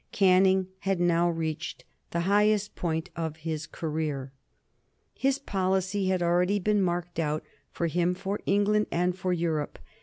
Canning had now reached the highest point of his career. His policy had already been marked out for him, for England, and for Europe.